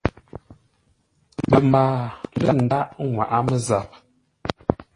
Tə mbaa lə ndághʼ nŋwaʼá mə́zap.